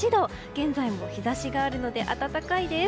現在も日差しがあるので暖かいです。